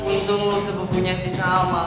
untung lo sepupunya si sama